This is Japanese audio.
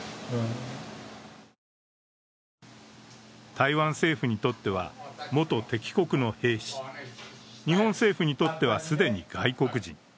台湾政府にとっては元敵国の兵士、日本政府にとっては既に外国人。